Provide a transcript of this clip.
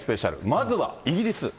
まずはイギリス。